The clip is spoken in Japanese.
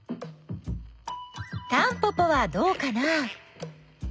タンポポはどうかな？